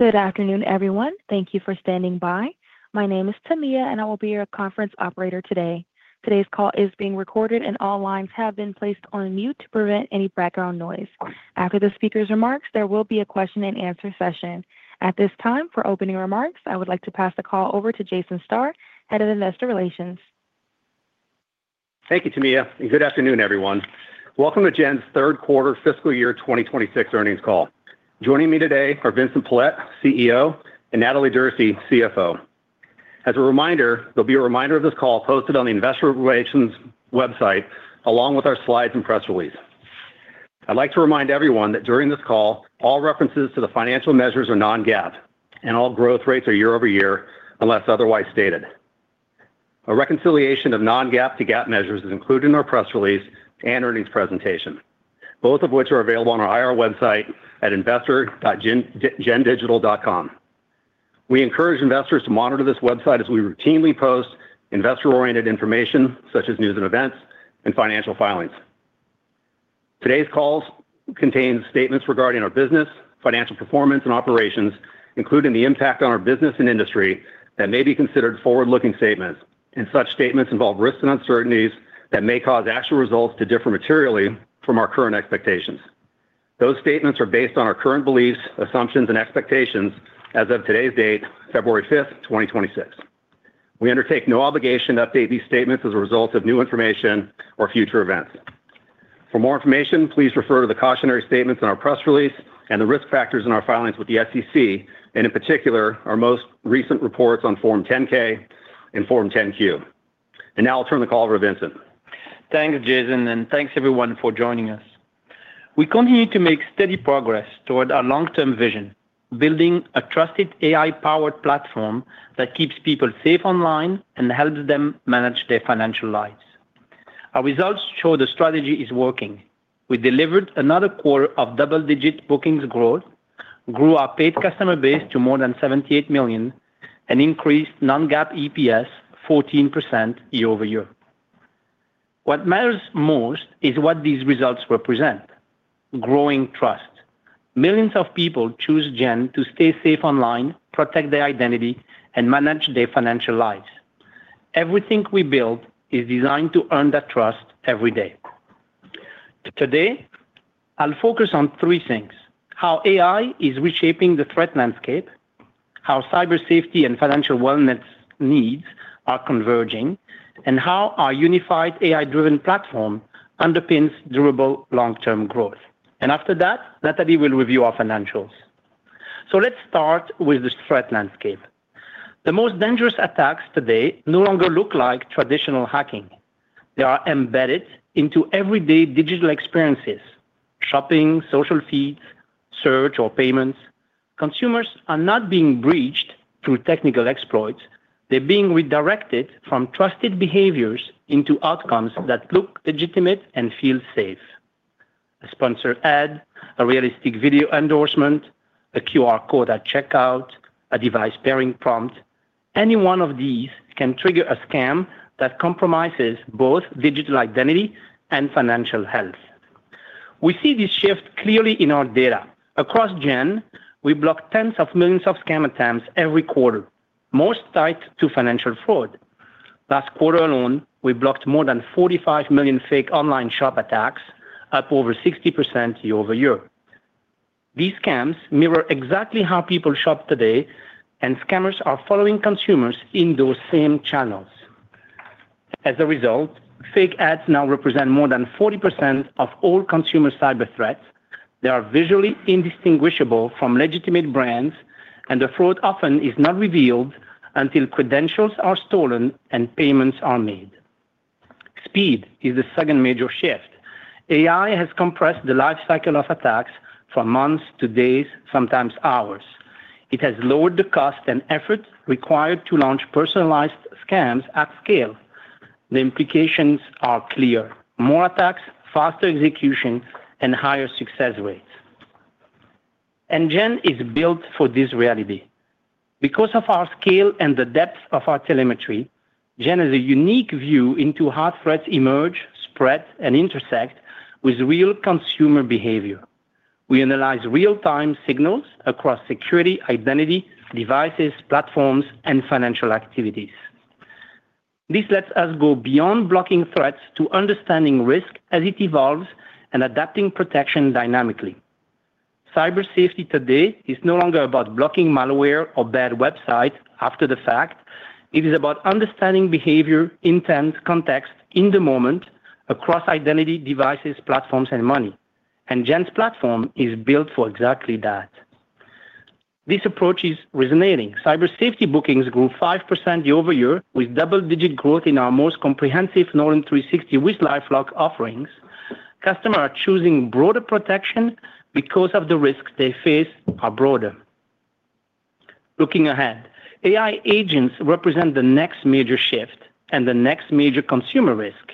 Good afternoon, everyone. Thank you for standing by. My name is Tamia, and I will be your conference operator today. Today's call is being recorded, and all lines have been placed on mute to prevent any background noise. After the speaker's remarks, there will be a question-and-answer session. At this time, for opening remarks, I would like to pass the call over to Jason Starr, Head of Investor Relations. Thank you, Tamia, and good afternoon, everyone. Welcome to Gen's third quarter fiscal year 2026 earnings call. Joining me today are Vincent Pilette, CEO, and Natalie Derse, CFO. As a reminder, there'll be a reminder of this call posted on the Investor Relations website, along with our slides and press release. I'd like to remind everyone that during this call, all references to the financial measures are non-GAAP, and all growth rates are year-over-year, unless otherwise stated. A reconciliation of non-GAAP to GAAP measures is included in our press release and earnings presentation, both of which are available on our IR website at investor.gendigital.com. We encourage investors to monitor this website as we routinely post investor-oriented information such as news and events and financial filings. Today's call contains statements regarding our business, financial performance, and operations, including the impact on our business and industry, that may be considered forward-looking statements, and such statements involve risks and uncertainties that may cause actual results to differ materially from our current expectations. Those statements are based on our current beliefs, assumptions, and expectations as of today's date, February 5, 2026. We undertake no obligation to update these statements as a result of new information or future events. For more information, please refer to the cautionary statements in our press release and the risk factors in our filings with the SEC, and in particular, our most recent reports on Form 10-K and Form 10-Q. Now I'll turn the call over to Vincent. Thanks, Jason, and thanks everyone for joining us. We continue to make steady progress toward our long-term vision, building a trusted AI-powered platform that keeps people safe online and helps them manage their financial lives. Our results show the strategy is working. We delivered another quarter of double-digit bookings growth, grew our paid customer base to more than 78 million, and increased non-GAAP EPS 14% year-over-year. What matters most is what these results represent: growing trust. Millions of people choose Gen to stay safe online, protect their identity, and manage their financial lives. Everything we build is designed to earn that trust every day. Today, I'll focus on three things: how AI is reshaping the threat landscape, how cyber safety and financial wellness needs are converging, and how our unified AI-driven platform underpins durable long-term growth. And after that, Natalie will review our financials. So let's start with the threat landscape. The most dangerous attacks today no longer look like traditional hacking. They are embedded into everyday digital experiences, shopping, social feeds, search or payments. Consumers are not being breached through technical exploits. They're being redirected from trusted behaviors into outcomes that look legitimate and feel safe. A sponsored ad, a realistic video endorsement, a QR code at checkout, a device pairing prompt, any one of these can trigger a scam that compromises both digital identity and financial health. We see this shift clearly in our data. Across Gen, we block tens of millions of scam attempts every quarter, most tied to financial fraud. Last quarter alone, we blocked more than 45 million fake online shop attacks, up over 60% year-over-year. These scams mirror exactly how people shop today, and scammers are following consumers in those same channels. As a result, fake ads now represent more than 40% of all consumer cyber threats. They are visually indistinguishable from legitimate brands, and the fraud often is not revealed until credentials are stolen and payments are made. Speed is the second major shift. AI has compressed the life cycle of attacks from months to days, sometimes hours. It has lowered the cost and effort required to launch personalized scams at scale. The implications are clear: more attacks, faster execution, and higher success rates. And Gen is built for this reality. Because of our scale and the depth of our telemetry, Gen has a unique view into how threats emerge, spread, and intersect with real consumer behavior. We analyze real-time signals across security, identity, devices, platforms, and financial activities. This lets us go beyond blocking threats to understanding risk as it evolves and adapting protection dynamically. Cyber safety today is no longer about blocking malware or bad websites after the fact. It is about understanding behavior, intent, context in the moment across identity, devices, platforms, and money, and Gen's platform is built for exactly that. This approach is resonating. Cyber safety bookings grew 5% year-over-year, with double-digit growth in our most comprehensive Norton 360 with LifeLock offerings. Customers are choosing broader protection because of the risks they face are broader. Looking ahead, AI agents represent the next major shift and the next major consumer risk.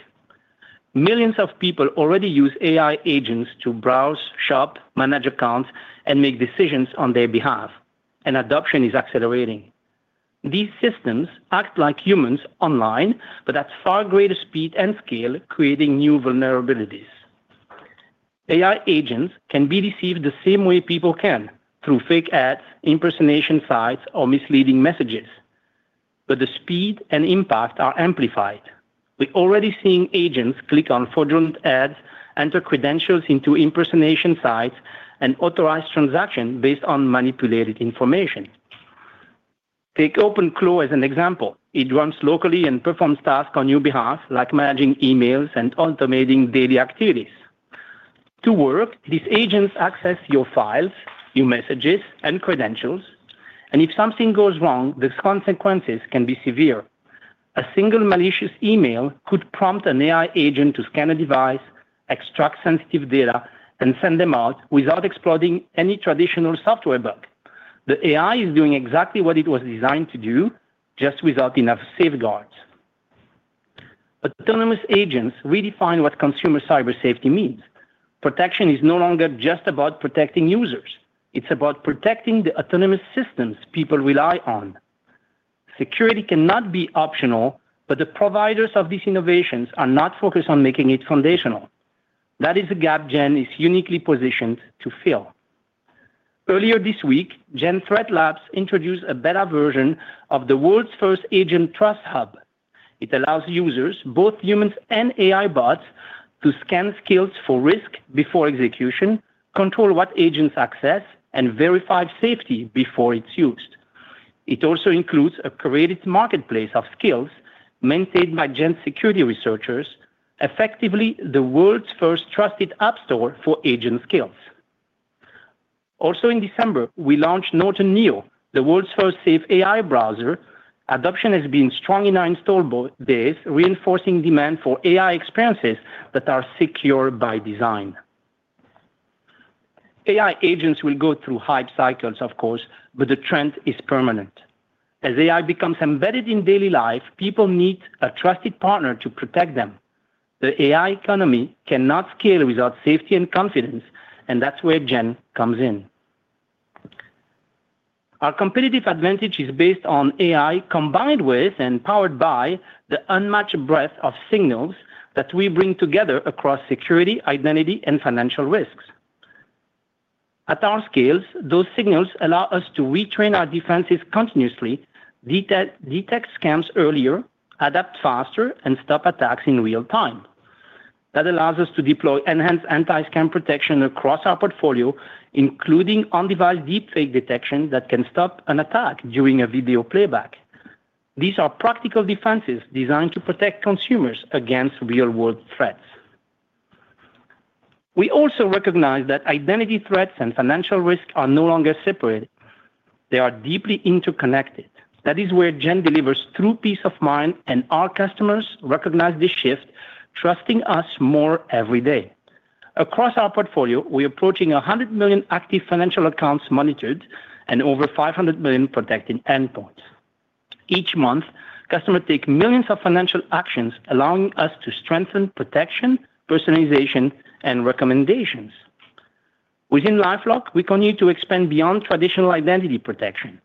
Millions of people already use AI agents to browse, shop, manage accounts, and make decisions on their behalf, and adoption is accelerating. These systems act like humans online, but at far greater speed and scale, creating new vulnerabilities.... AI agents can be deceived the same way people can, through fake ads, impersonation sites, or misleading messages, but the speed and impact are amplified. We're already seeing agents click on fraudulent ads, enter credentials into impersonation sites, and authorize transactions based on manipulated information. Take OpenClaw as an example. It runs locally and performs tasks on your behalf, like managing emails and automating daily activities. To work, these agents access your files, your messages, and credentials, and if something goes wrong, the consequences can be severe. A single malicious email could prompt an AI agent to scan a device, extract sensitive data, and send them out without exploiting any traditional software bug. The AI is doing exactly what it was designed to do, just without enough safeguards. Autonomous agents redefine what consumer cyber safety means. Protection is no longer just about protecting users, it's about protecting the autonomous systems people rely on. Security cannot be optional, but the providers of these innovations are not focused on making it foundational. That is a gap Gen is uniquely positioned to fill. Earlier this week, Gen Threat Labs introduced a beta version of the world's first Agent Trust Hub. It allows users, both humans and AI bots, to scan skills for risk before execution, control what agents access, and verify safety before it's used. It also includes a curated marketplace of skills maintained by Gen security researchers, effectively the world's first trusted app store for agent skills. Also, in December, we launched Norton Neo, the world's first safe AI browser. Adoption has been strong in our install base, reinforcing demand for AI experiences that are secure by design. AI agents will go through hype cycles, of course, but the trend is permanent. As AI becomes embedded in daily life, people need a trusted partner to protect them. The AI economy cannot scale without safety and confidence, and that's where Gen comes in. Our competitive advantage is based on AI, combined with and powered by the unmatched breadth of signals that we bring together across security, identity, and financial risks. At our scales, those signals allow us to retrain our defenses continuously, detect scams earlier, adapt faster, and stop attacks in real time. That allows us to deploy enhanced anti-scam protection across our portfolio, including on-device deepfake detection that can stop an attack during a video playback. These are practical defenses designed to protect consumers against real-world threats. We also recognize that identity threats and financial risks are no longer separate. They are deeply interconnected. That is where Gen delivers true peace of mind, and our customers recognize this shift, trusting us more every day. Across our portfolio, we're approaching 100 million active financial accounts monitored and over 500 million protected endpoints. Each month, customers take millions of financial actions, allowing us to strengthen protection, personalization, and recommendations. Within LifeLock, we continue to expand beyond traditional identity protection.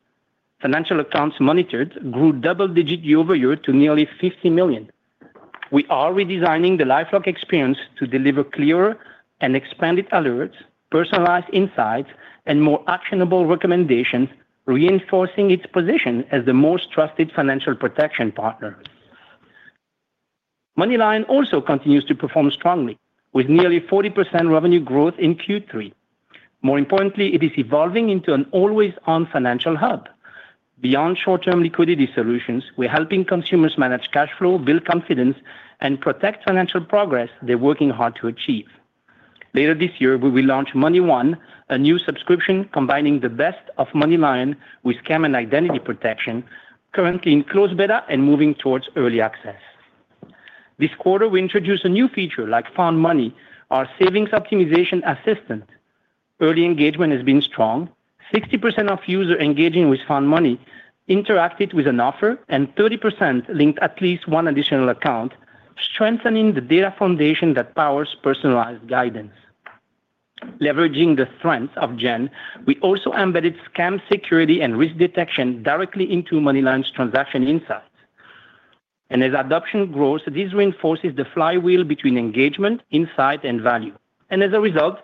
Financial accounts monitored grew double digits year over year to nearly 50 million. We are redesigning the LifeLock experience to deliver clearer and expanded alerts, personalized insights, and more actionable recommendations, reinforcing its position as the most trusted financial protection partner. MoneyLion also continues to perform strongly, with nearly 40% revenue growth in Q3. More importantly, it is evolving into an always-on financial hub. Beyond short-term liquidity solutions, we're helping consumers manage cash flow, build confidence, and protect financial progress they're working hard to achieve. Later this year, we will launch MoneyOne, a new subscription combining the best of MoneyLion with scam and identity protection, currently in closed beta and moving towards early access. This quarter, we introduced a new feature like Found Money, our savings optimization assistant. Early engagement has been strong. 60% of users engaging with Found Money interacted with an offer, and 30% linked at least one additional account, strengthening the data foundation that powers personalized guidance. Leveraging the strength of Gen, we also embedded scam security and risk detection directly into MoneyLion's transaction insights. And as adoption grows, this reinforces the flywheel between engagement, insight, and value. As a result,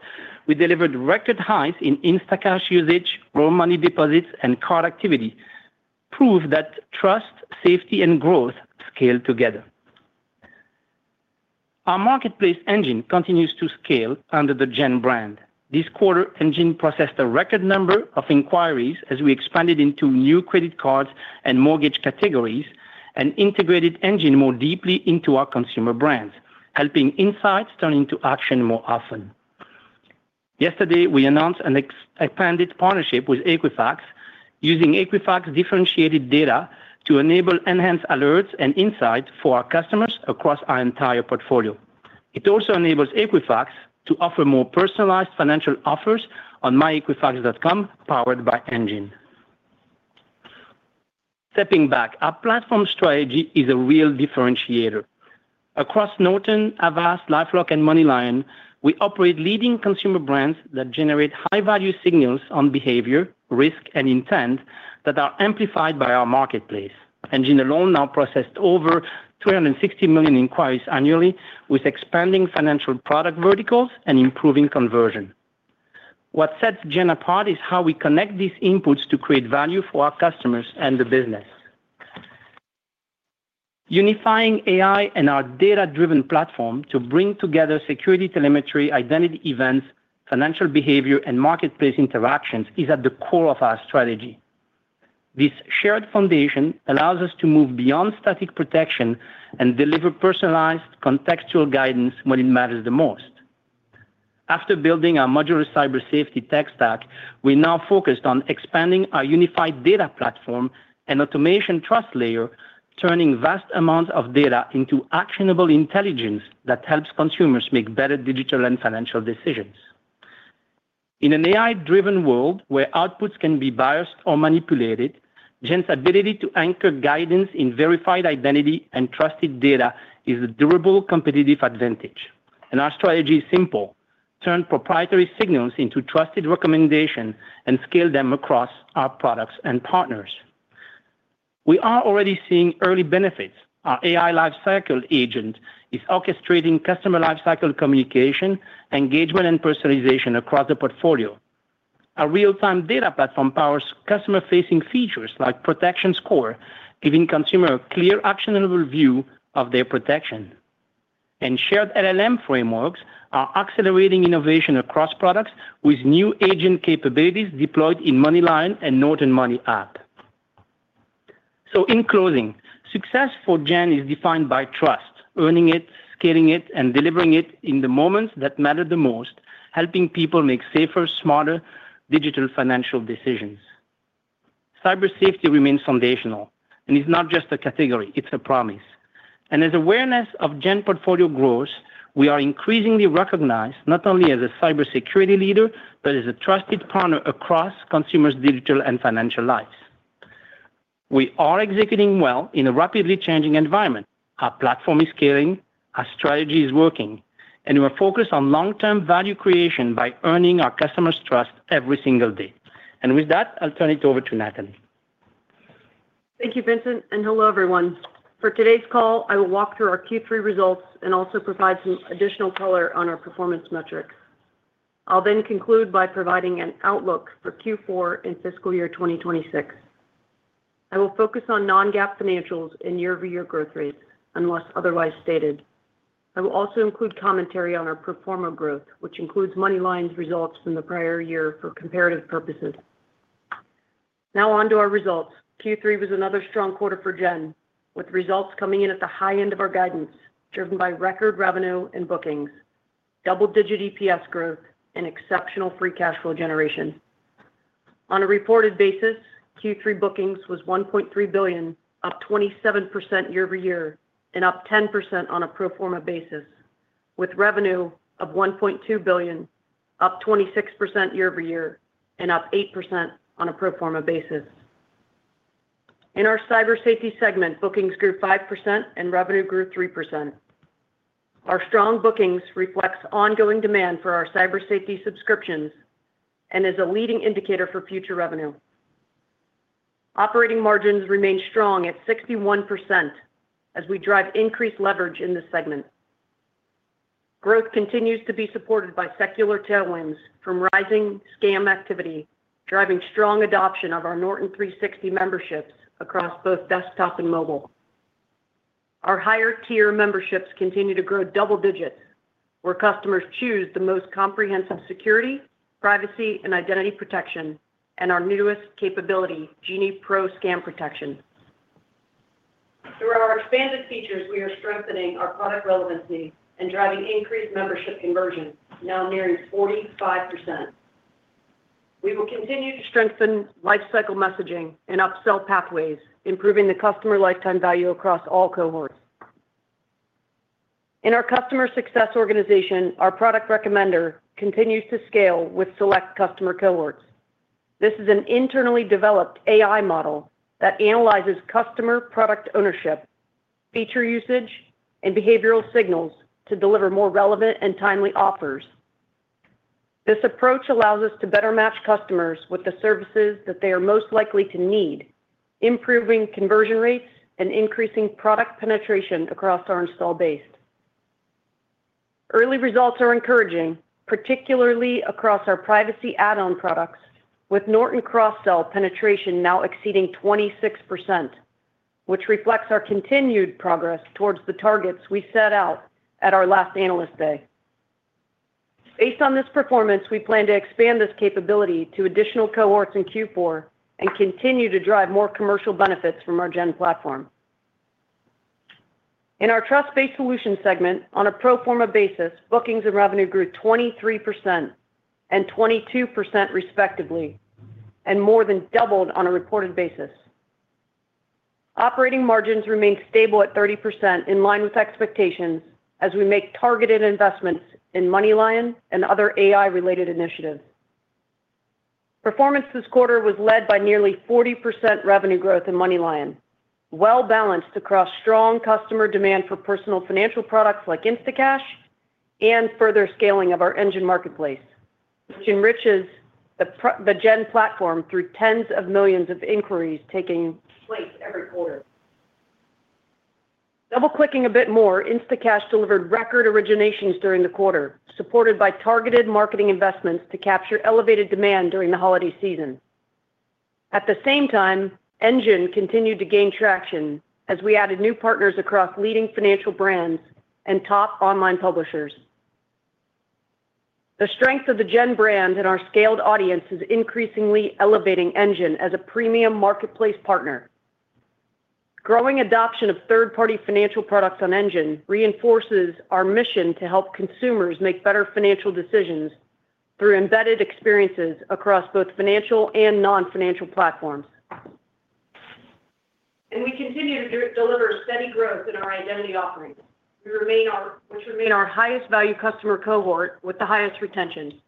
we delivered record highs in Instacash usage, raw money deposits, and card activity, proof that trust, safety, and growth scale together. Our marketplace, Engine, continues to scale under the Gen brand. This quarter, Engine processed a record number of inquiries as we expanded into new credit cards and mortgage categories and integrated Engine more deeply into our consumer brands, helping insights turn into action more often. Yesterday, we announced an expanded partnership with Equifax, using Equifax differentiated data to enable enhanced alerts and insights for our customers across our entire portfolio. It also enables Equifax to offer more personalized financial offers on myEquifax.com, powered by Engine. Stepping back, our platform strategy is a real differentiator. Across Norton, Avast, LifeLock, and MoneyLion, we operate leading consumer brands that generate high-value signals on behavior, risk, and intent that are amplified by our marketplace. Engine alone now processed over 360 million inquiries annually with expanding financial product verticals and improving conversion. What sets Gen apart is how we connect these inputs to create value for our customers and the business. Unifying AI and our data-driven platform to bring together security telemetry, identity events, financial behavior, and marketplace interactions is at the core of our strategy. This shared foundation allows us to move beyond static protection and deliver personalized contextual guidance when it matters the most. After building our modular cyber safety tech stack, we now focused on expanding our unified data platform and automation trust layer, turning vast amounts of data into actionable intelligence that helps consumers make better digital and financial decisions. In an AI-driven world where outputs can be biased or manipulated, Gen's ability to anchor guidance in verified identity and trusted data is a durable competitive advantage, and our strategy is simple: turn proprietary signals into trusted recommendations and scale them across our products and partners. We are already seeing early benefits. Our AI Lifecycle Agent is orchestrating customer lifecycle communication, engagement, and personalization across the portfolio. A real-time data platform powers customer-facing features like Protection Score, giving consumer a clear, actionable view of their protection. Shared LLM frameworks are accelerating innovation across products with new agent capabilities deployed in MoneyLion and Norton Money app. In closing, success for Gen is defined by trust, earning it, scaling it, and delivering it in the moments that matter the most, helping people make safer, smarter digital financial decisions. Cyber safety remains foundational, and it's not just a category, it's a promise. And as awareness of Gen portfolio grows, we are increasingly recognized not only as a cybersecurity leader, but as a trusted partner across consumers' digital and financial lives. We are executing well in a rapidly changing environment. Our platform is scaling, our strategy is working, and we are focused on long-term value creation by earning our customers' trust every single day. And with that, I'll turn it over to Natalie. Thank you, Vincent, and hello, everyone. For today's call, I will walk through our Q3 results and also provide some additional color on our performance metrics. I'll then conclude by providing an outlook for Q4 in fiscal year 2026. I will focus on non-GAAP financials and year-over-year growth rates, unless otherwise stated. I will also include commentary on our pro forma growth, which includes MoneyLion's results from the prior year for comparative purposes. Now on to our results. Q3 was another strong quarter for Gen, with results coming in at the high end of our guidance, driven by record revenue and bookings, double-digit EPS growth, and exceptional free cash flow generation. On a reported basis, Q3 bookings was $1.3 billion, up 27% year-over-year, and up 10% on a pro forma basis, with revenue of $1.2 billion, up 26% year-over-year, and up 8% on a pro forma basis. In our Cyber Safety segment, bookings grew 5% and revenue grew 3%. Our strong bookings reflects ongoing demand for our cyber safety subscriptions and is a leading indicator for future revenue. Operating margins remain strong at 61% as we drive increased leverage in this segment. Growth continues to be supported by secular tailwinds from rising scam activity, driving strong adoption of our Norton 360 memberships across both desktop and mobile. Our higher-tier memberships continue to grow double digits, where customers choose the most comprehensive security, privacy, and identity protection, and our newest capability, Genie Pro Scam Protection. Through our expanded features, we are strengthening our product relevancy and driving increased membership conversion, now nearing 45%. We will continue to strengthen lifecycle messaging and upsell pathways, improving the customer lifetime value across all cohorts. In our Customer Success organization, our Product Recommender continues to scale with select customer cohorts. This is an internally developed AI model that analyzes customer product ownership, feature usage, and behavioral signals to deliver more relevant and timely offers. This approach allows us to better match customers with the services that they are most likely to need, improving conversion rates and increasing product penetration across our install base. Early results are encouraging, particularly across our privacy add-on products, with Norton cross-sell penetration now exceeding 26%, which reflects our continued progress towards the targets we set out at our last Analyst Day. Based on this performance, we plan to expand this capability to additional cohorts in Q4 and continue to drive more commercial benefits from our Gen platform. In our Trust-Based Solutions segment, on a pro forma basis, bookings and revenue grew 23% and 22% respectively, and more than doubled on a reported basis. Operating margins remained stable at 30%, in line with expectations, as we make targeted investments in MoneyLion and other AI-related initiatives. Performance this quarter was led by nearly 40% revenue growth in MoneyLion, well-balanced across strong customer demand for personal financial products like Instacash and further scaling of our Engine Marketplace, which enriches the Gen platform through tens of millions of inquiries taking place every quarter. Double-clicking a bit more, Instacash delivered record originations during the quarter, supported by targeted marketing investments to capture elevated demand during the holiday season. At the same time, Engine continued to gain traction as we added new partners across leading financial brands and top online publishers. The strength of the Gen brand and our scaled audience is increasingly elevating Engine as a premium marketplace partner. Growing adoption of third-party financial products on Engine reinforces our mission to help consumers make better financial decisions through embedded experiences across both financial and non-financial platforms. And we continue to deliver steady growth in our identity offerings. Which remain our highest value customer cohort with the highest retention.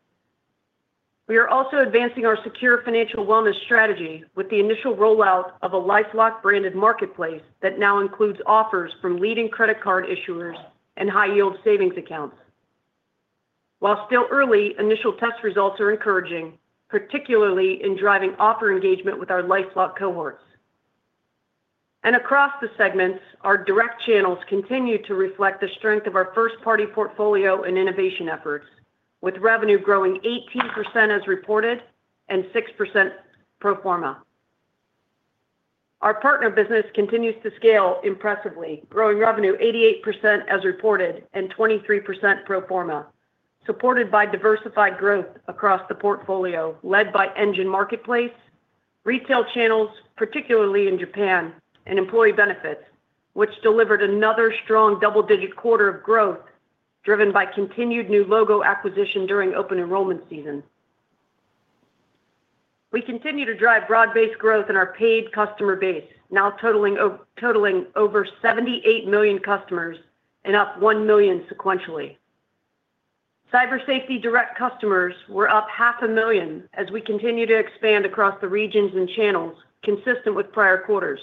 We are also advancing our secure financial wellness strategy with the initial rollout of a LifeLock branded marketplace that now includes offers from leading credit card issuers and high-yield savings accounts. While still early, initial test results are encouraging, particularly in driving offer engagement with our LifeLock cohorts. Across the segments, our direct channels continue to reflect the strength of our first-party portfolio and innovation efforts, with revenue growing 18% as reported and 6% pro forma. Our partner business continues to scale impressively, growing revenue 88% as reported and 23% pro forma, supported by diversified growth across the portfolio, led by Engine Marketplace, retail channels, particularly in Japan, and employee benefits, which delivered another strong double-digit quarter of growth, driven by continued new logo acquisition during open enrollment season. We continue to drive broad-based growth in our paid customer base, now totaling over 78 million customers and up 1 million sequentially. Cyber safety direct customers were up 500,000 as we continue to expand across the regions and channels, consistent with prior quarters.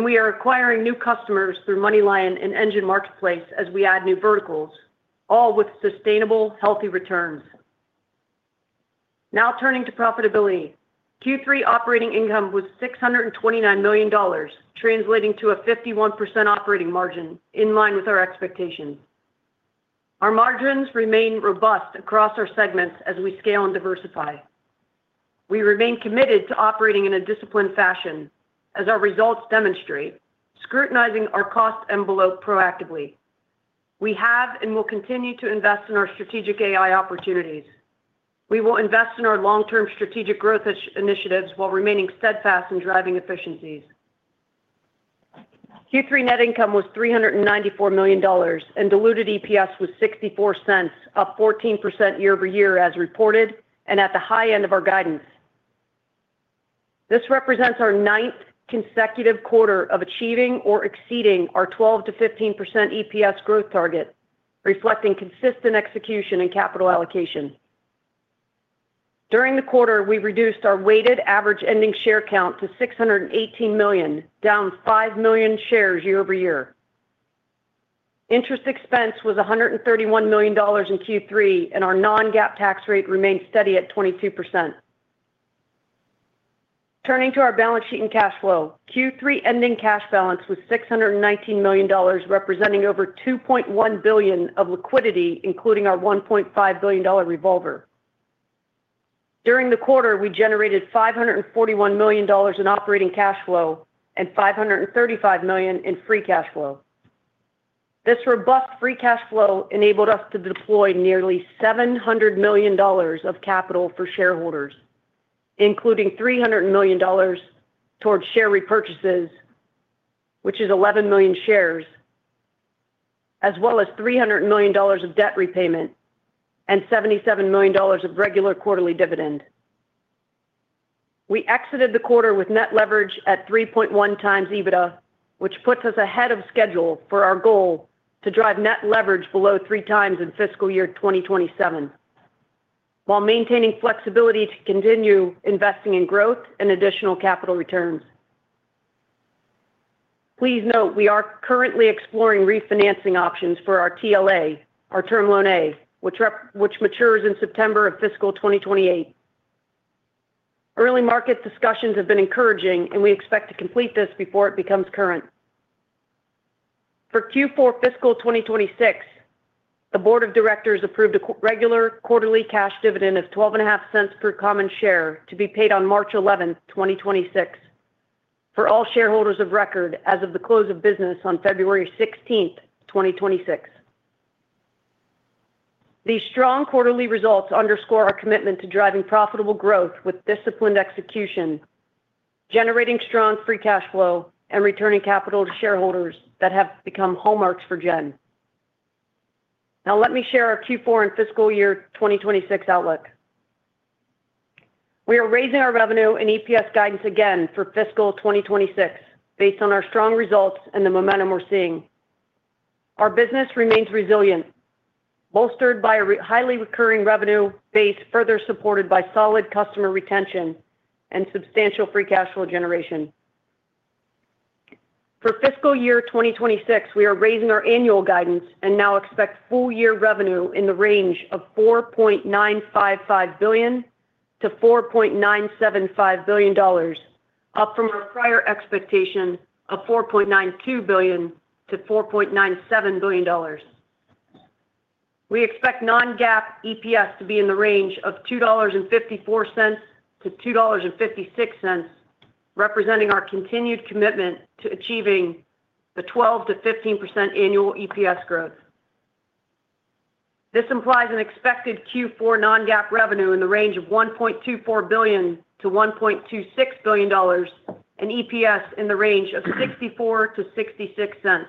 We are acquiring new customers through MoneyLion and Engine Marketplace as we add new verticals, all with sustainable, healthy returns. Now turning to profitability. Q3 operating income was $629 million, translating to a 51% operating margin, in line with our expectations. Our margins remain robust across our segments as we scale and diversify. We remain committed to operating in a disciplined fashion, as our results demonstrate, scrutinizing our cost envelope proactively. We have and will continue to invest in our strategic AI opportunities. We will invest in our long-term strategic growth initiatives while remaining steadfast in driving efficiencies. Q3 net income was $394 million, and diluted EPS was $0.64, up 14% year-over-year as reported, and at the high end of our guidance. This represents our ninth consecutive quarter of achieving or exceeding our 12%-15% EPS growth target, reflecting consistent execution and capital allocation. During the quarter, we reduced our weighted average ending share count to 618 million, down 5 million shares year-over-year. Interest expense was $131 million in Q3, and our non-GAAP tax rate remained steady at 22%. Turning to our balance sheet and cash flow, Q3 ending cash balance was $619 million, representing over $2.1 billion of liquidity, including our $1.5 billion revolver. During the quarter, we generated $541 million in operating cash flow and $535 million in free cash flow. This robust free cash flow enabled us to deploy nearly $700 million of capital for shareholders, including $300 million towards share repurchases, which is 11 million shares, as well as $300 million of debt repayment and $77 million of regular quarterly dividend. We exited the quarter with net leverage at 3.1 times EBITDA, which puts us ahead of schedule for our goal to drive net leverage below three times in fiscal year 2027, while maintaining flexibility to continue investing in growth and additional capital returns. Please note, we are currently exploring refinancing options for our TLA, our term loan A, which matures in September of fiscal 2028. Early market discussions have been encouraging, and we expect to complete this before it becomes current. For Q4 fiscal 2026, the Board of Directors approved a regular quarterly cash dividend of $0.125 per common share to be paid on March 11, 2026, for all shareholders of record as of the close of business on February 16, 2026. These strong quarterly results underscore our commitment to driving profitable growth with disciplined execution, generating strong free cash flow, and returning capital to shareholders that have become hallmarks for Gen. Now let me share our Q4 and fiscal year 2026 outlook. We are raising our revenue and EPS guidance again for fiscal 2026, based on our strong results and the momentum we're seeing. Our business remains resilient, bolstered by a highly recurring revenue base, further supported by solid customer retention and substantial free cash flow generation. For fiscal year 2026, we are raising our annual guidance and now expect full year revenue in the range of $4.955 billion-$4.975 billion, up from our prior expectation of $4.92 billion-$4.97 billion. We expect non-GAAP EPS to be in the range of $2.54-$2.56, representing our continued commitment to achieving the 12%-15% annual EPS growth. This implies an expected Q4 non-GAAP revenue in the range of $1.24 billion-$1.26 billion, and EPS in the range of $0.64-$0.66.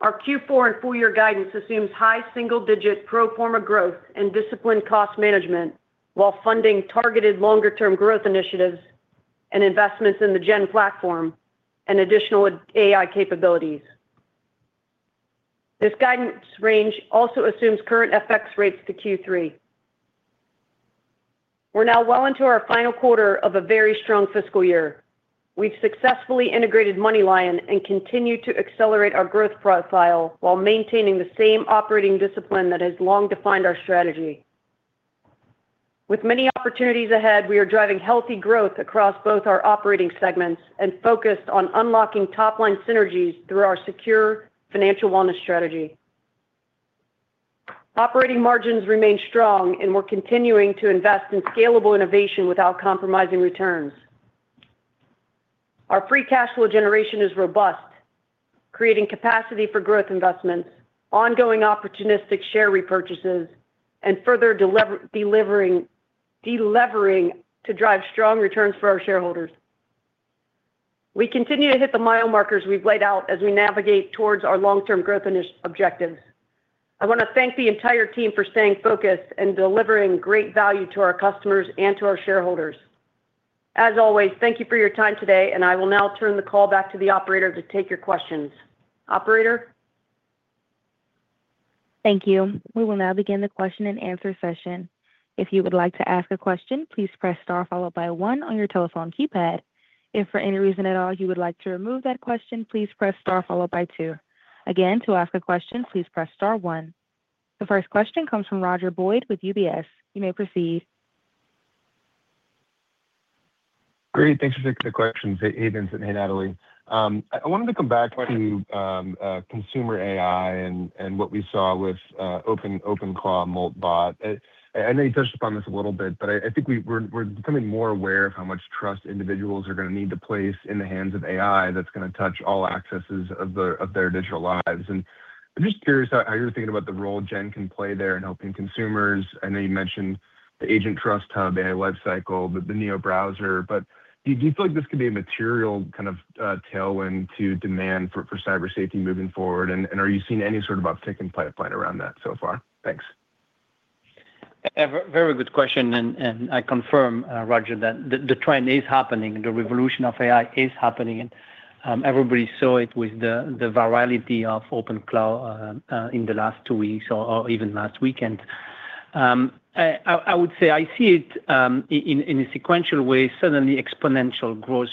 Our Q4 and full year guidance assumes high single-digit pro forma growth and disciplined cost management, while funding targeted longer-term growth initiatives and investments in the Gen platform and additional AI capabilities. This guidance range also assumes current FX rates to Q3. We're now well into our final quarter of a very strong fiscal year. We've successfully integrated MoneyLion and continued to accelerate our growth profile while maintaining the same operating discipline that has long defined our strategy. With many opportunities ahead, we are driving healthy growth across both our operating segments and focused on unlocking top-line synergies through our secure financial wellness strategy. Operating margins remain strong, and we're continuing to invest in scalable innovation without compromising returns. Our free cash flow generation is robust, creating capacity for growth investments, ongoing opportunistic share repurchases, and further delevering to drive strong returns for our shareholders. We continue to hit the mile markers we've laid out as we navigate towards our long-term growth objectives. I want to thank the entire team for staying focused and delivering great value to our customers and to our shareholders. As always, thank you for your time today, and I will now turn the call back to the operator to take your questions. Operator? Thank you. We will now begin the question-and-answer session. If you would like to ask a question, please press star followed by one on your telephone keypad. If for any reason at all you would like to remove that question, please press star followed by two. Again, to ask a question, please press star one. The first question comes from Roger Boyd with UBS. You may proceed. Great. Thanks for taking the questions. Hey, Vincent. Hey, Natalie. I wanted to come back to consumer AI and what we saw with OpenClaw Moltbot. I know you touched upon this a little bit, but I think we're becoming more aware of how much trust individuals are going to need to place in the hands of AI that's going to touch all aspects of their digital lives. And I'm just curious how you're thinking about the role Gen can play there in helping consumers. I know you mentioned the Agent Trust Hub, AI lifecycle, the Neo browser, but do you feel like this could be a material kind of tailwind to demand for cyber safety moving forward? And are you seeing any sort of uptick in pipeline around that so far? Thanks. A very good question, and I confirm, Roger, that the trend is happening, the revolution of AI is happening. Everybody saw it with the virality of OpenClaw in the last two weeks or even last weekend. I would say I see it in a sequential way, suddenly exponential growth.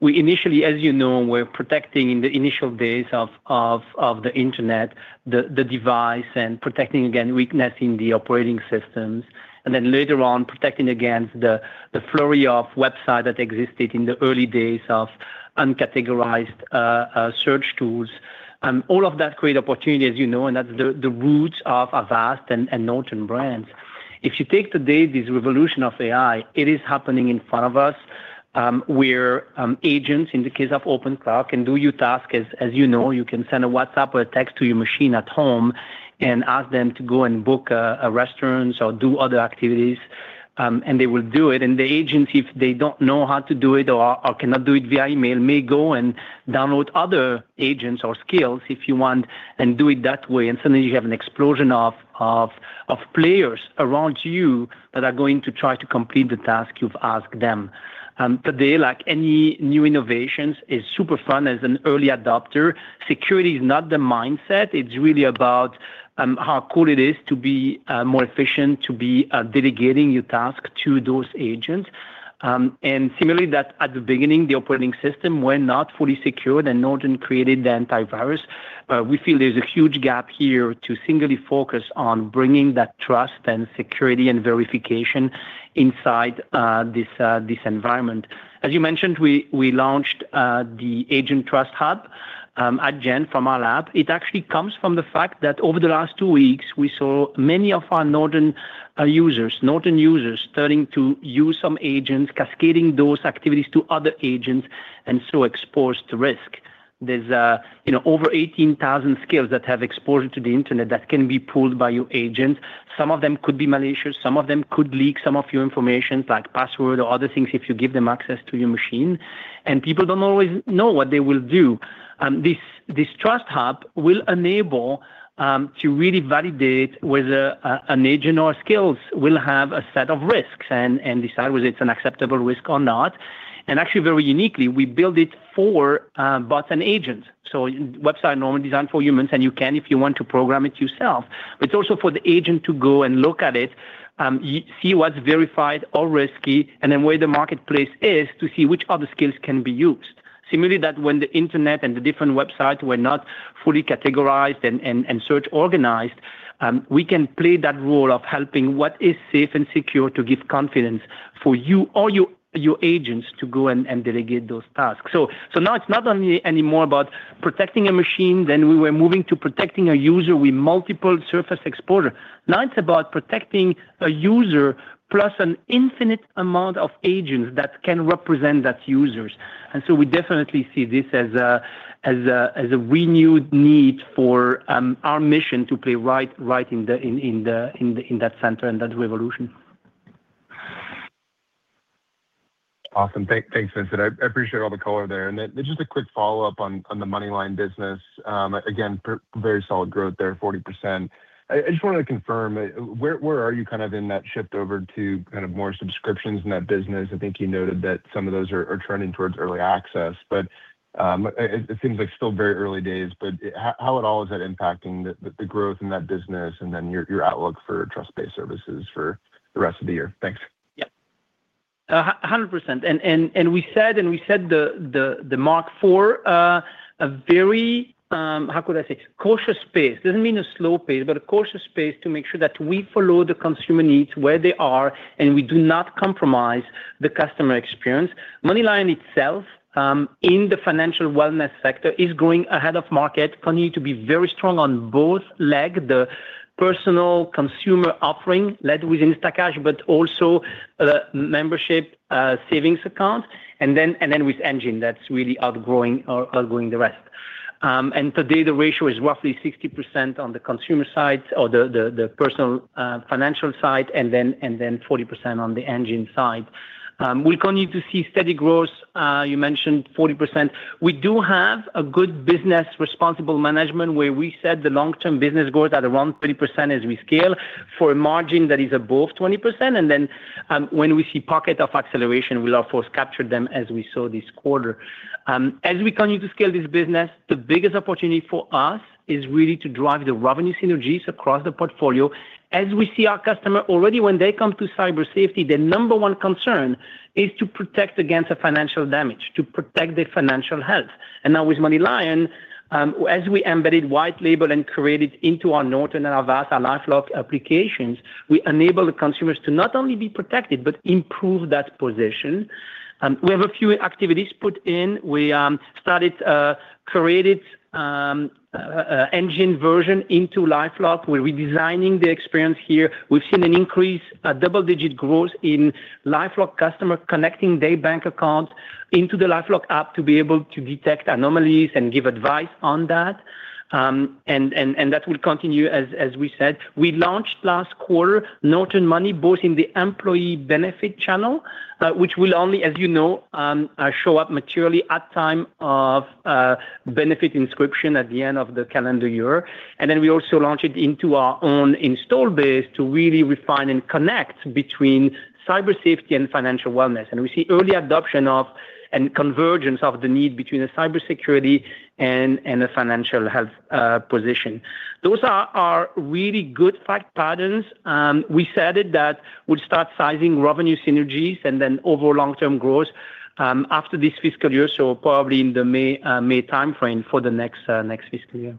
We initially, as you know, were protecting in the initial days of the internet, the device and protecting against weakness in the operating systems, and then later on, protecting against the flurry of website that existed in the early days of uncategorized search tools. And all of that create opportunity, as you know, and that the roots of Avast and Norton brands. If you take today this revolution of AI, it is happening in front of us. Agents, in the case of OpenClaw, can do your task. As you know, you can send a WhatsApp or a text to your machine at home and ask them to go and book a restaurant or do other activities, and they will do it. And the agents, if they don't know how to do it or cannot do it via email, may go and download other agents or skills, if you want, and do it that way. And suddenly you have an explosion of players around you that are going to try to complete the task you've asked them. Today, like any new innovations, it's super fun as an early adopter. Security is not the mindset. It's really about how cool it is to be more efficient, to be delegating your task to those agents. And similarly, that at the beginning, the operating system were not fully secured, and Norton created the antivirus. But we feel there's a huge gap here to singularly focus on bringing that trust and security and verification inside this environment. As you mentioned, we launched the Agent Trust Hub at Gen from our lab. It actually comes from the fact that over the last two weeks, we saw many of our Norton users turning to use some agents, cascading those activities to other agents, and so exposed to risk. There's you know, over 18,000 skills that have exported to the internet that can be pulled by your agent. Some of them could be malicious, some of them could leak some of your information, like password or other things, if you give them access to your machine, and people don't always know what they will do. This trust hub will enable to really validate whether an agent or skills will have a set of risks and decide whether it's an acceptable risk or not. And actually, very uniquely, we build it for bots and agents. So website normally designed for humans, and you can, if you want to program it yourself. It's also for the agent to go and look at it, see what's verified or risky, and then where the marketplace is to see which other skills can be used. Similarly, when the internet and the different websites were not fully categorized and search organized, we can play that role of helping what is safe and secure to give confidence for you or your agents to go and delegate those tasks. So now it's not only anymore about protecting a machine; then we were moving to protecting a user with multiple surface exposure. Now it's about protecting a user plus an infinite amount of agents that can represent that users. And so we definitely see this as a renewed need for our mission to play right in the center and that revolution. Awesome. Thanks, Vincent. I appreciate all the color there. And then just a quick follow-up on the MoneyLion business. Again, very solid growth there, 40%. I just wanted to confirm, where are you kind of in that shift over to kind of more subscriptions in that business? I think you noted that some of those are trending towards early access, but it seems like still very early days, but how at all is that impacting the growth in that business and then your outlook for trust-based services for the rest of the year? Thanks. Yep. 100%. And we said the march for a very – how could I say? – cautious pace. Doesn't mean a slow pace, but a cautious pace to make sure that we follow the consumer needs where they are, and we do not compromise the customer experience. MoneyLion itself, in the financial wellness sector, is going ahead of market, continue to be very strong on both legs, the personal consumer offering led within Instacash, but also the membership savings account, and then with Engine, that's really outgrowing the rest. And today, the ratio is roughly 60% on the consumer side or the personal financial side, and then 40% on the Engine side. We continue to see steady growth, you mentioned 40%. We do have a good business responsible management, where we said the long-term business growth at around 30% as we scale, for a margin that is above 20%, and then, when we see pocket of acceleration, we'll of course, capture them as we saw this quarter. As we continue to scale this business, the biggest opportunity for us is really to drive the revenue synergies across the portfolio. As we see our customer already, when they come to cyber safety, their number one concern is to protect against the financial damage, to protect their financial health. And now with MoneyLion, as we embedded white label and created into our Norton and our Avast, our LifeLock applications, we enable the consumers to not only be protected but improve that position. We have a few activities put in. We started created a Engine version into LifeLock. We're redesigning the experience here. We've seen an increase, a double-digit growth in LifeLock customer connecting their bank accounts into the LifeLock app to be able to detect anomalies and give advice on that. And that will continue, as we said. We launched last quarter, Norton Money, both in the employee benefit channel, which will only, as you know, show up materially at time of benefit inscription at the end of the calendar year. And then we also launch it into our own install base to really refine and connect between cyber safety and financial wellness. And we see early adoption of and convergence of the need between the cybersecurity and the financial health position. Those are really good fact patterns. We said that we'll start sizing revenue synergies and then overall long-term growth after this fiscal year, so probably in the May timeframe for the next fiscal year.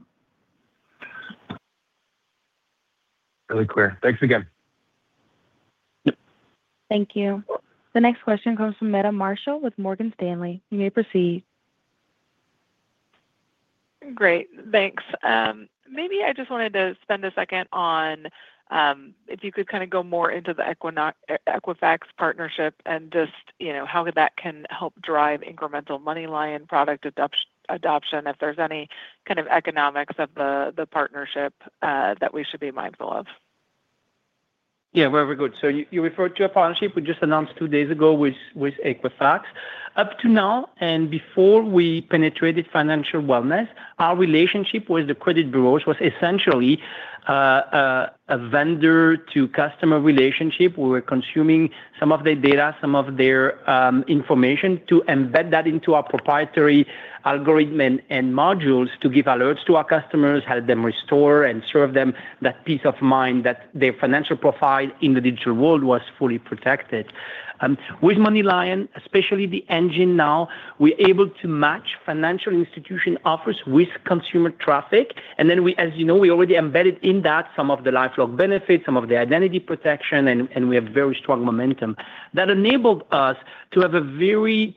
Really clear. Thanks again. Yep. Thank you. The next question comes from Meta Marshall with Morgan Stanley. You may proceed. Great, thanks. Maybe I just wanted to spend a second on, if you could kind of go more into the Equifax partnership and just, you know, how that can help drive incremental MoneyLion product adoption, if there's any kind of economics of the partnership that we should be mindful of. Yeah, very, very good. So you, you referred to a partnership we just announced two days ago with, with Equifax. Up to now, and before we penetrated financial wellness, our relationship with the credit bureaus was essentially a vendor-to-customer relationship. We were consuming some of their data, some of their information to embed that into our proprietary algorithm and, and modules to give alerts to our customers, help them restore, and serve them that peace of mind that their financial profile in the digital world was fully protected. With MoneyLion, especially the Engine now, we're able to match financial institution offers with consumer traffic, and then we, as you know, we already embedded in that some of the LifeLock benefits, some of the identity protection, and, and we have very strong momentum. That enabled us to have a very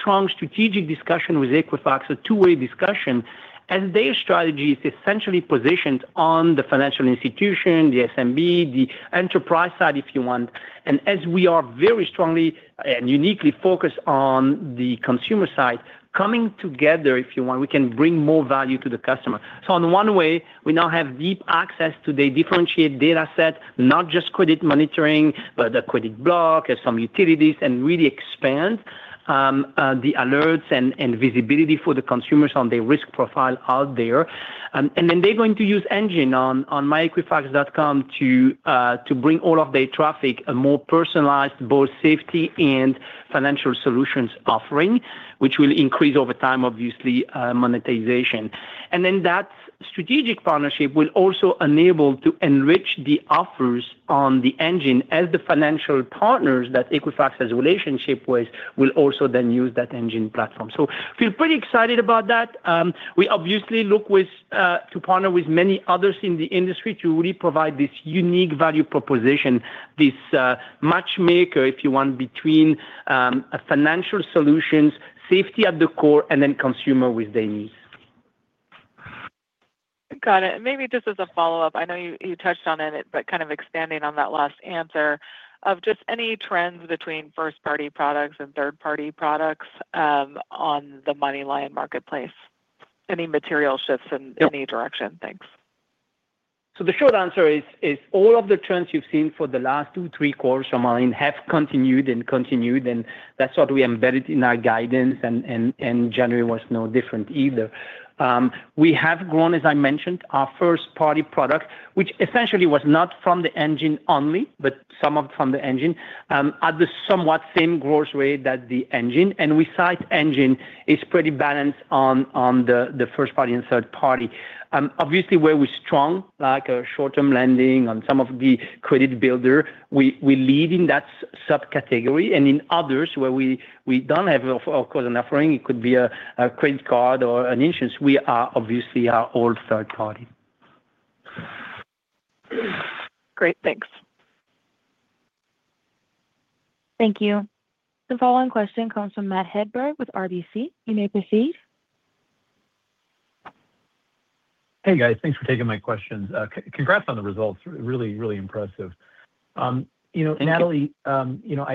strong strategic discussion with Equifax, a two-way discussion, as their strategy is essentially positioned on the financial institution, the SMB, the enterprise side, if you want. And as we are very strongly and uniquely focused on the consumer side, coming together, if you want, we can bring more value to the customer. So in one way, we now have deep access to the differentiated dataset, not just credit monitoring, but the Credit Lock and some utilities, and really expand the alerts and visibility for the consumers on their risk profile out there. And then they're going to use Engine on myEquifax.com to bring all of their traffic a more personalized, both safety and financial solutions offering, which will increase over time, obviously, monetization. That strategic partnership will also enable to enrich the offers on the Engine as the financial partners that Equifax has relationship with, will also then use that Engine platform. So feel pretty excited about that. We obviously look to partner with many others in the industry to really provide this unique value proposition, this, matchmaker, if you want, between, a financial solutions, safety at the core, and then consumer with their needs. ... Got it. Maybe just as a follow-up, I know you, you touched on it, but kind of expanding on that last answer of just any trends between first-party products and third-party products, on the MoneyLion marketplace, any material shifts in- Yep. Any direction? Thanks. So the short answer is all of the trends you've seen for the last two-three quarters, Meta, have continued and continued, and that's what we embedded in our guidance, and January was no different either. We have grown, as I mentioned, our first-party product, which essentially was not from the Engine only, but some of it from the Engine, at the somewhat same growth rate that the Engine. And we cite Engine is pretty balanced on the first party and third party. Obviously, where we're strong, like, short-term lending on some of the credit builder, we lead in that subcategory, and in others, where we don't have, of course, an offering, it could be a credit card or an insurance, we are obviously all third party. Great. Thanks. Thank you. The following question comes from Matt Hedberg with RBC. You may proceed. Hey, guys. Thanks for taking my questions. Congrats on the results, really, really impressive. You know, Natalie, you know,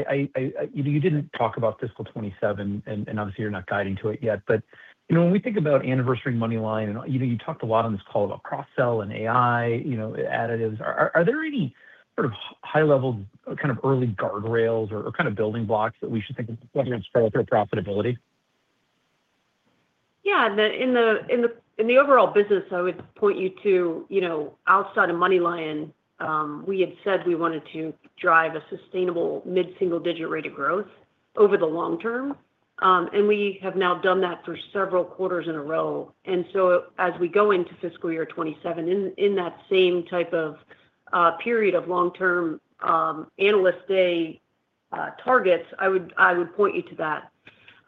you didn't talk about fiscal 2027, and obviously you're not guiding to it yet, but, you know, when we think about anniversary MoneyLion and, you know, you talked a lot on this call about cross-sell and AI, you know, additives. Are there any sort of high-level, kind of early guardrails or kind of building blocks that we should think of as we spread through profitability? Yeah. The overall business, I would point you to, you know, outside of MoneyLion, we had said we wanted to drive a sustainable mid-single-digit rate of growth over the long term. And we have now done that for several quarters in a row. And so as we go into fiscal year 2027, in that same type of period of long-term analyst day targets, I would point you to that.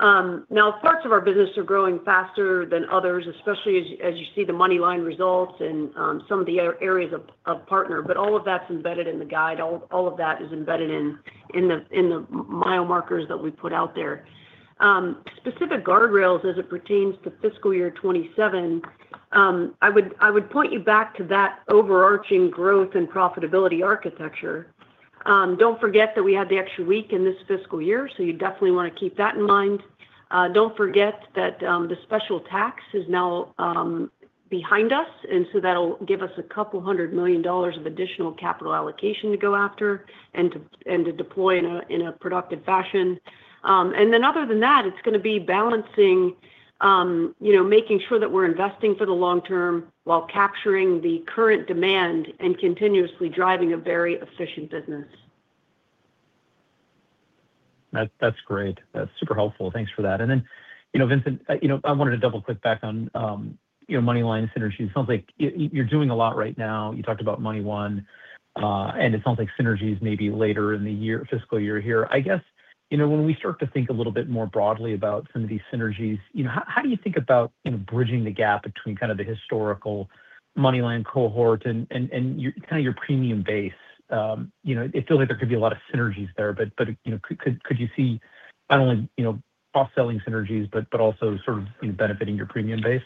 Now, parts of our business are growing faster than others, especially as you see the MoneyLion results and some of the areas of partner. But all of that's embedded in the guide. All of that is embedded in the mile markers that we put out there. Specific guardrails as it pertains to fiscal year 2027, I would point you back to that overarching growth and profitability architecture. Don't forget that we had the extra week in this fiscal year, so you definitely want to keep that in mind. Don't forget that the special tax is now behind us, and so that'll give us $200 million of additional capital allocation to go after and to deploy in a productive fashion. And then other than that, it's going to be balancing, you know, making sure that we're investing for the long term while capturing the current demand and continuously driving a very efficient business. That, that's great. That's super helpful. Thanks for that. And then, you know, Vincent, you know, I wanted to double-click back on, you know, MoneyLion synergies. It sounds like you're doing a lot right now. You talked about MoneyOne, and it sounds like synergies may be later in the year, fiscal year here. I guess, you know, when we start to think a little bit more broadly about some of these synergies, you know, how, how do you think about, you know, bridging the gap between kind of the historical MoneyLion cohort and, and, and your, kind of your premium base? You know, it feels like there could be a lot of synergies there, but, but, you know, could, could, could you see not only, you know, cross-selling synergies, but, but also sort of, you know, benefiting your premium base?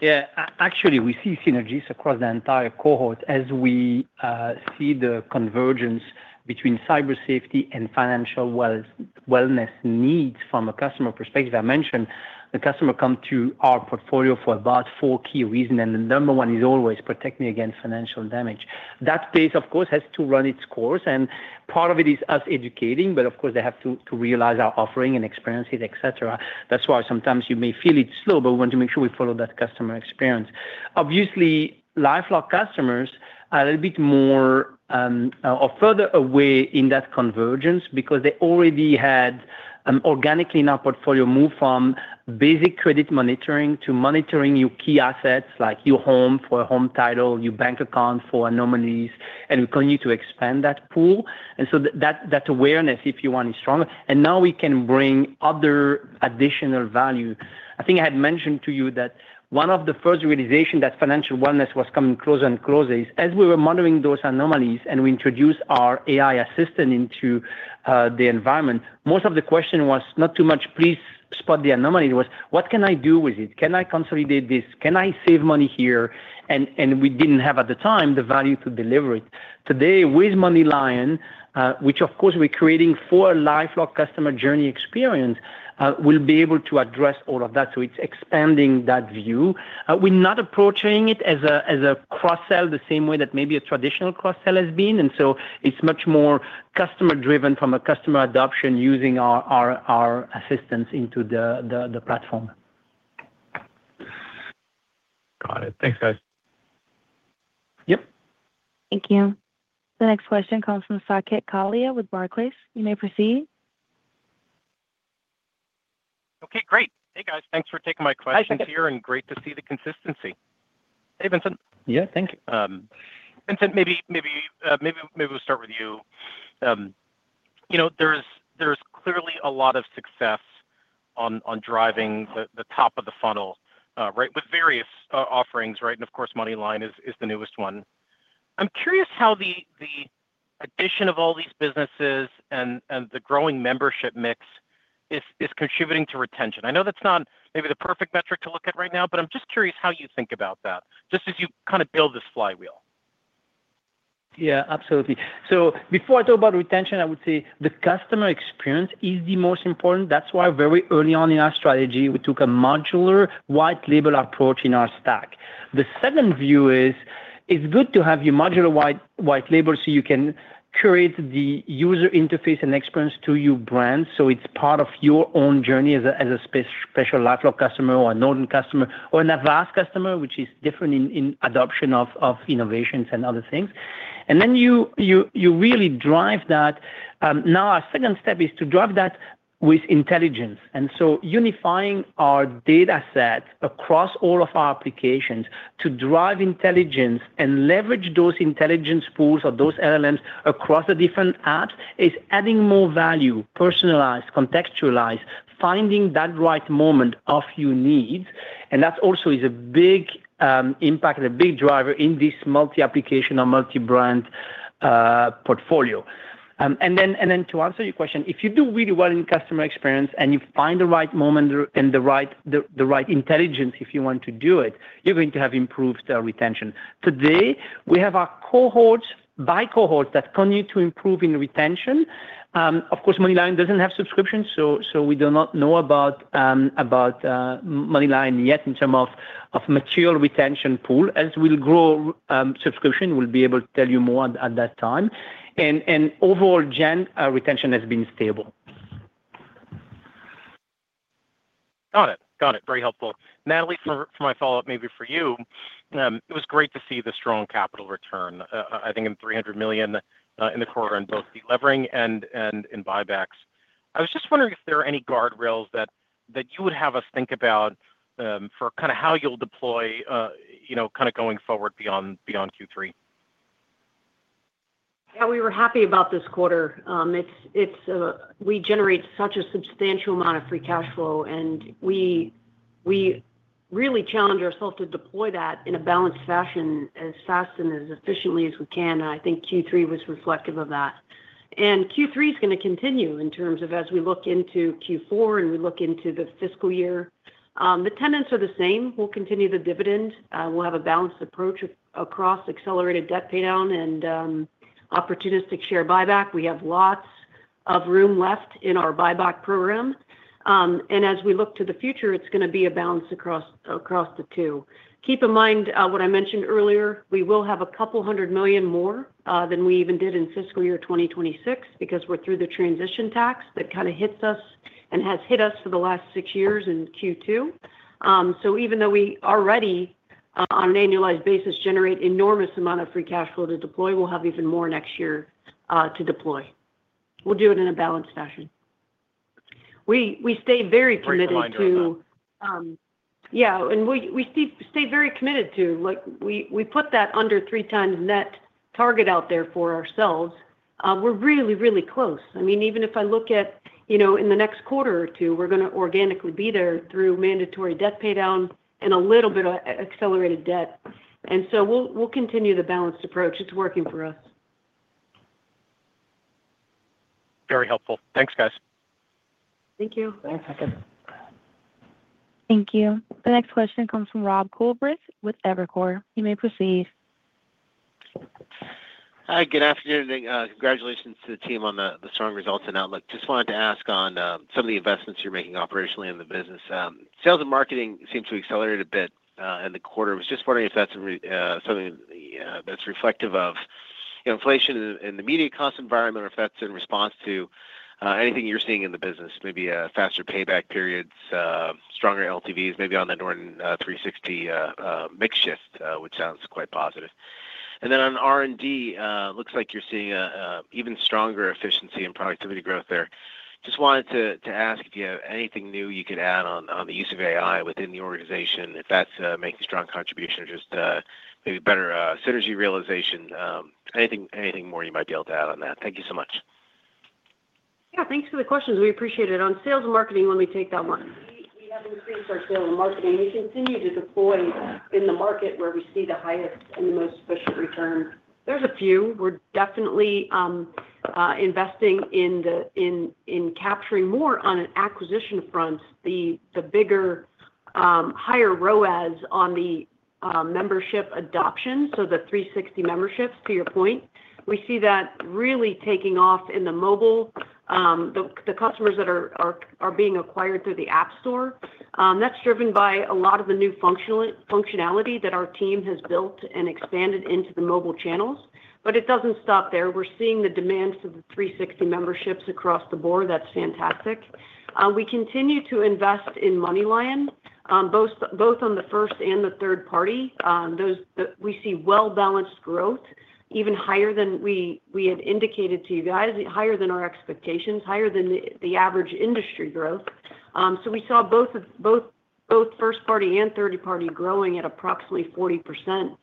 Yeah. Actually, we see synergies across the entire cohort as we see the convergence between cyber safety and financial wellness needs from a customer perspective. I mentioned the customer come to our portfolio for about four key reasons, and the number one is always protect me against financial damage. That phase, of course, has to run its course, and part of it is us educating, but of course, they have to realize our offering and experience it, et cetera. That's why sometimes you may feel it's slow, but we want to make sure we follow that customer experience. Obviously, LifeLock customers are a little bit more, or further away in that convergence because they already had, organically in our portfolio, move from basic credit monitoring to monitoring your key assets, like your home for a home title, your bank account for anomalies, and we continue to expand that pool, and so that, that awareness, if you want, is stronger. And now we can bring other additional value. I think I had mentioned to you that one of the first realization that financial wellness was coming closer and closer is, as we were monitoring those anomalies and we introduced our AI assistant into, the environment, most of the question was not too much, "Please spot the anomaly." It was, "What can I do with it? Can I consolidate this? Can I save money here?" And we didn't have, at the time, the value to deliver it. Today, with MoneyLion, which of course we're creating for a LifeLock customer journey experience, we'll be able to address all of that. So it's expanding that view. We're not approaching it as a cross-sell the same way that maybe a traditional cross-sell has been, and so it's much more customer driven from a customer adoption using our assistants into the platform. Got it. Thanks, guys. Yep. Thank you. The next question comes from Saket Kalia with Barclays. You may proceed. Okay, great. Hey, guys. Thanks for taking my questions here. Hi, Saket. And great to see the consistency. Hey, Vincent. Yeah. Thank you. Vincent, maybe we'll start with you. You know, there is clearly a lot of success on driving the top of the funnel, right, with various offerings, right? And of course, MoneyLion is the newest one. I'm curious how the...... addition of all these businesses and the growing membership mix is contributing to retention? I know that's not maybe the perfect metric to look at right now, but I'm just curious how you think about that, just as you kind of build this flywheel. Yeah, absolutely. So before I talk about retention, I would say the customer experience is the most important. That's why very early on in our strategy, we took a modular white label approach in our stack. The second view is, it's good to have your modular white label so you can curate the user interface and experience to your brand, so it's part of your own journey as a special LifeLock customer or a Norton customer or an Avast customer, which is different in adoption of innovations and other things. And then you really drive that. Now our second step is to drive that with intelligence. Unifying our dataset across all of our applications to drive intelligence and leverage those intelligence pools or those elements across the different apps is adding more value, personalized, contextualized, finding that right moment of your needs. That also is a big impact and a big driver in this multi-application or multi-brand portfolio. Then to answer your question, if you do really well in customer experience and you find the right moment and the right intelligence, if you want to do it, you're going to have improved retention. Today, we have our cohorts by cohorts that continue to improve in retention. Of course, MoneyLion doesn't have subscriptions, so we do not know about MoneyLion yet in terms of material retention pool. As we'll grow subscription, we'll be able to tell you more at that time. And overall, Gen retention has been stable. Got it. Got it. Very helpful. Natalie, for, for my follow-up, maybe for you. It was great to see the strong capital return, I think in $300 million, in the quarter on both delevering and, and in buybacks. I was just wondering if there are any guardrails that, that you would have us think about, for kind of how you'll deploy, you know, kind of going forward beyond, beyond Q3. Yeah, we were happy about this quarter. It's we generate such a substantial amount of free cash flow, and we really challenge ourselves to deploy that in a balanced fashion, as fast and as efficiently as we can, and I think Q3 was reflective of that. And Q3 is going to continue in terms of as we look into Q4 and we look into the fiscal year. The tenets are the same. We'll continue the dividend. We'll have a balanced approach across accelerated debt paydown and opportunistic share buyback. We have lots of room left in our buyback program. And as we look to the future, it's going to be a balance across the two. Keep in mind what I mentioned earlier, we will have $200 million more than we even did in fiscal year 2026 because we're through the transition tax that kind of hits us and has hit us for the last six years in Q2. So even though we already, on an annualized basis, generate enormous amount of free cash flow to deploy, we'll have even more next year to deploy. We'll do it in a balanced fashion. We, we stay very committed to- Very mindful of that. Yeah, and we stay very committed to... Like, we put that under 3x net target out there for ourselves. We're really, really close. I mean, even if I look at, you know, in the next quarter or two, we're going to organically be there through mandatory debt paydown and a little bit of accelerated debt. And so we'll continue the balanced approach. It's working for us. Very helpful. Thanks, guys. Thank you. Thanks, Saket. Thank you. The next question comes from Robert Coolbrith with Evercore. You may proceed. Hi, good afternoon, and congratulations to the team on the strong results and outlook. Just wanted to ask on some of the investments you're making operationally in the business. Sales and marketing seem to accelerate a bit in the quarter. I was just wondering if that's something that's reflective of inflation in the media cost environment, or if that's in response to anything you're seeing in the business, maybe faster payback periods, stronger LTVs, maybe on the Norton 360 mix shift, which sounds quite positive. And then on R&D, looks like you're seeing a even stronger efficiency and productivity growth there. Just wanted to ask if you have anything new you could add on the use of AI within the organization, if that's making a strong contribution or just maybe better synergy realization, anything more you might be able to add on that? Thank you so much. Yeah, thanks for the questions. We appreciate it. On sales and marketing, let me take that one. We have increased our sales and marketing. We continue to deploy in the market where we see the highest and the most efficient returns. There's a few. We're definitely investing in capturing more on an acquisition front, the bigger higher ROAS on the membership adoption, so the 360 memberships, to your point. We see that really taking off in the mobile. The customers that are being acquired through the App Store. That's driven by a lot of the new functionality that our team has built and expanded into the mobile channels, but it doesn't stop there. We're seeing the demands of the 360 memberships across the board. That's fantastic. We continue to invest in MoneyLion, both on the first and the third party. We see well-balanced growth, even higher than we had indicated to you guys, higher than our expectations, higher than the average industry growth. So we saw both first-party and third-party growing at approximately 40%,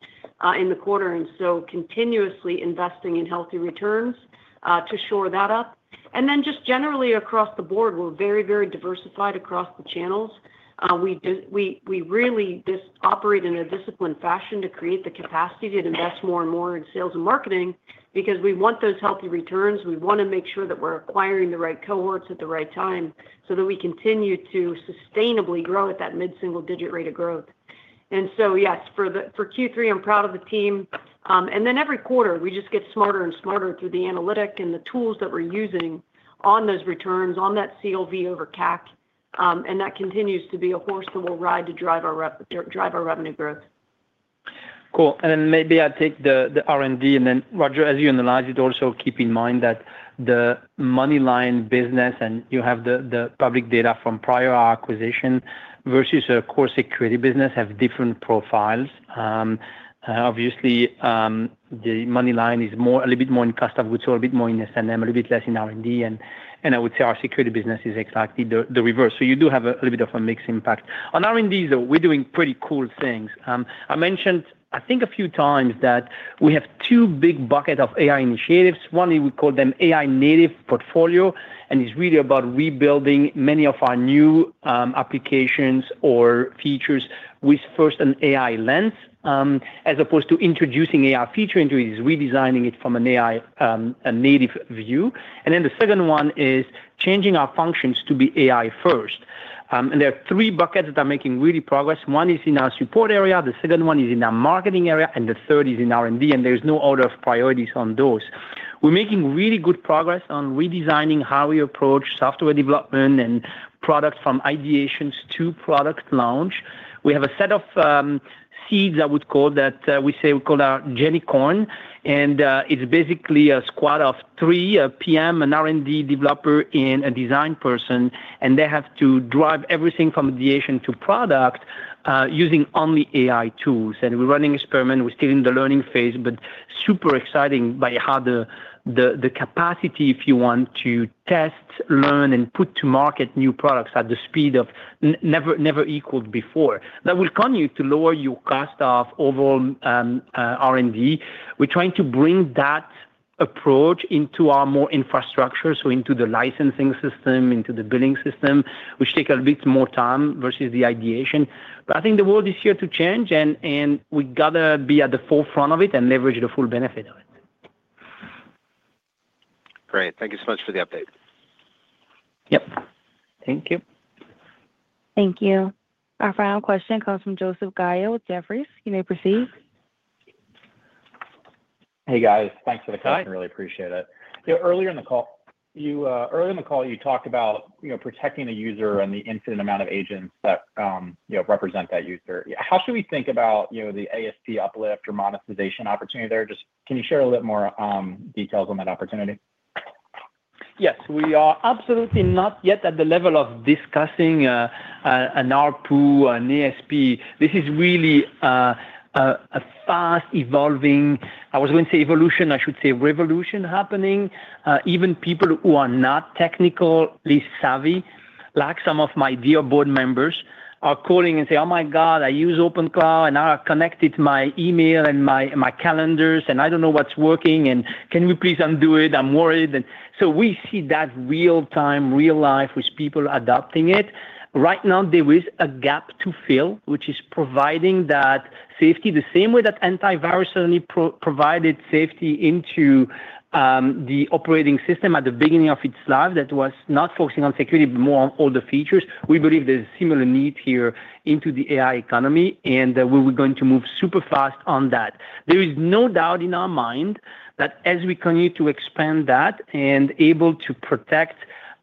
in the quarter, and so continuously investing in healthy returns, to shore that up. Then just generally across the board, we're very, very diversified across the channels. We really just operate in a disciplined fashion to create the capacity to invest more and more in sales and marketing because we want those healthy returns. We wanna make sure that we're acquiring the right cohorts at the right time, so that we continue to sustainably grow at that mid-single digit rate of growth. Yes, for Q3, I'm proud of the team. And then every quarter, we just get smarter and smarter through the analytic and the tools that we're using on those returns, on that CLV over CAC, and that continues to be a horse that will ride to drive our revenue growth. Cool. Then maybe I'll take the R&D, and then Robert, as you analyze it, also keep in mind that the MoneyLion business, and you have the public data from prior acquisition versus a core security business, have different profiles. Obviously, the MoneyLion is more, a little bit more in customer, which are a bit more in S&M, a little bit less in R&D. And I would say our security business is exactly the reverse. So you do have a little bit of a mixed impact. On R&D, though, we're doing pretty cool things. I mentioned, I think, a few times, that we have two big bucket of AI initiatives. One, we would call them AI native portfolio, and it's really about rebuilding many of our new applications or features with first an AI lens, as opposed to introducing AI feature into it, is redesigning it from an AI a native view. And then the second one is changing our functions to be AI first. And there are three buckets that are making really progress. One is in our support area, the second one is in our marketing area, and the third is in R&D, and there's no order of priorities on those. We're making really good progress on redesigning how we approach software development and product from ideations to product launch. We have a set of seeds, I would call that, we say we call our Jelly Corn, and it's basically a squad of three, a PM, an R&D developer and a design person, and they have to drive everything from ideation to product using only AI tools. We're running experiment, we're still in the learning phase, but super exciting by how the capacity, if you want to test, learn, and put to market new products at the speed of never, never equaled before. That will continue to lower your cost of overall R&D. We're trying to bring that approach into our more infrastructure, so into the licensing system, into the billing system, which take a bit more time versus the ideation. But I think the world is here to change, and we gotta be at the forefront of it and leverage the full benefit of it. Great. Thank you so much for the update. Yep. Thank you. Thank you. Our final question comes from Joseph Gallo with Jefferies. You may proceed. Hey, guys. Thanks for the question. Hi. I really appreciate it. Yeah, earlier in the call, you talked about, you know, protecting a user and the infinite amount of agents that, you know, represent that user. How should we think about, you know, the ASP uplift or monetization opportunity there? Just can you share a little more details on that opportunity? Yes, we are absolutely not yet at the level of discussing an ARPU, an ASP. This is really a fast-evolving, I was going to say evolution, I should say revolution happening. Even people who are not technical, less savvy, like some of my dear board members, are calling and say, "Oh my God, I use OpenClaw, and now I connected my email and my calendars, and I don't know what's working, and can we please undo it? I'm worried." And so we see that real time, real life with people adopting it. Right now, there is a gap to fill, which is providing that safety, the same way that antivirus only provided safety into the operating system at the beginning of its life, that was not focusing on security, but more on all the features. We believe there's a similar need here into the AI economy, and we were going to move super fast on that. There is no doubt in our mind that as we continue to expand that and able to protect,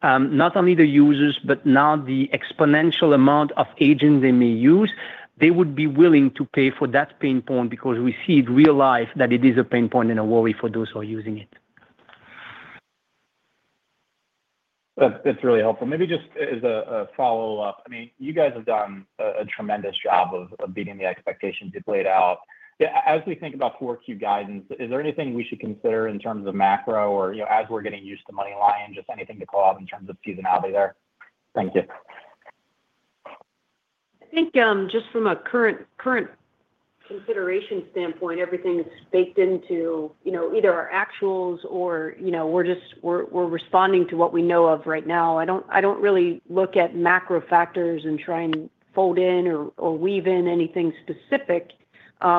not only the users, but now the exponential amount of agents they may use, they would be willing to pay for that pain point because we see it in real life, that it is a pain point and a worry for those who are using it. That's really helpful. Maybe just as a follow-up, I mean, you guys have done a tremendous job of beating the expectations you've laid out. Yeah, as we think about 4Q guidance, is there anything we should consider in terms of macro or, you know, as we're getting used to MoneyLion, just anything to call out in terms of seasonality there? Thank you. I think just from a current, current consideration standpoint, everything is baked into, you know, either our actuals or, you know, we're just—we're responding to what we know of right now. I don't really look at macro factors and try and fold in or weave in anything specific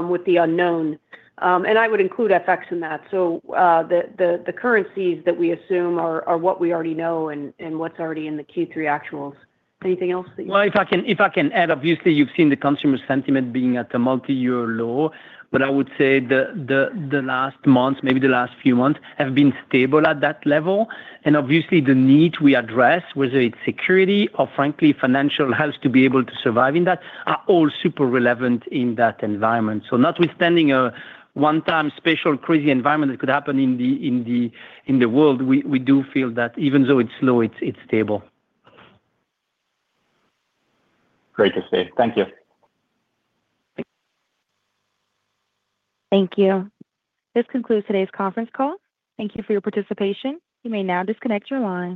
with the unknown. And I would include FX in that. So the currencies that we assume are what we already know and what's already in the Q3 actuals. Anything else that you- Well, if I can add, obviously, you've seen the consumer sentiment being at a multi-year low, but I would say the last month, maybe the last few months, have been stable at that level. And obviously, the need we address, whether it's security or frankly, financial health, to be able to survive in that, are all super relevant in that environment. So notwithstanding a one-time special crazy environment that could happen in the world, we do feel that even though it's slow, it's stable. Great to see. Thank you. Thank you. This concludes today's conference call. Thank you for your participation. You may now disconnect your line.